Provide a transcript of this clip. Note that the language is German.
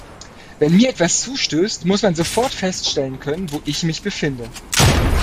Wenn mir etwas zustößt, muss man sofort feststellen können, wo ich mich befinde.